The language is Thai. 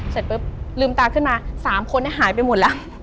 เสร็จปุ๊บลืมตาขึ้นมา๓คนหายไปหมดแล้ว